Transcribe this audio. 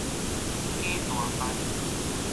假大範